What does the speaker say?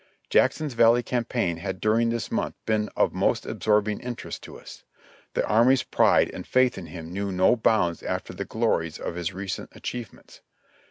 Jackson's Valley Campaign had during this month been of most absorbing interest to us; the army's pride and faith in him knew no bounds after the glories of his recent achievements.